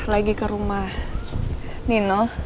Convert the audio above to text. lagi ke rumah nino